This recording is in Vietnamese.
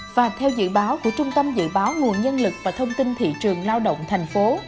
và theo dự báo của trung tâm dự báo nguồn nhân lực và thông tin thị trường lao động thành phố